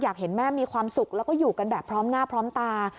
เห็นแม่มีความสุขแล้วก็อยู่กันแบบพร้อมหน้าพร้อมตา